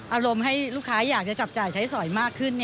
อารมณ์ให้ลูกค้าอยากจะจับจ่ายใช้สอยมากขึ้น